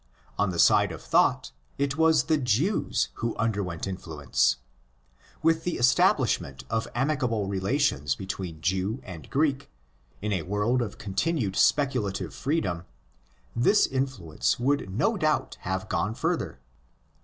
On the side of thought it was the Jews who underwent influence. With the establishment of amicable relations between Jew and Greek, in a world of continued speculative freedom, this influence would no doubt have gone further.